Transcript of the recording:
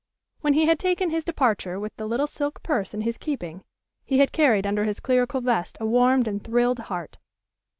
When he had taken his departure with the little silk purse in his keeping, he had carried under his clerical vest a warmed and thrilled heart.